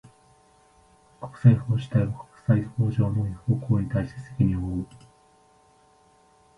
国際法主体は、国際法上の違法行為に対して責任を負う。